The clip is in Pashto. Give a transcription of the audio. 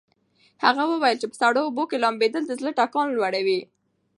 هغه وویل چې په سړو اوبو کې لامبېدل د زړه ټکان لوړوي.